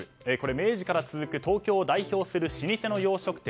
明治から続く東京を代表する老舗の洋食店